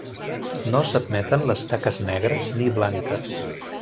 No s'admeten les taques negres ni blanques.